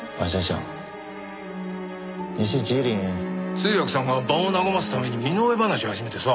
通訳さんが場を和ますために身の上話始めてさ。